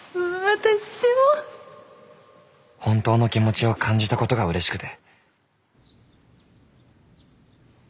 本当の気持ちを感じたことがうれしくて。